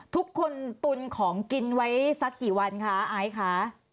ทุกคนตุนของกินไว้สักกี่วันคะไอซ์ค่ะ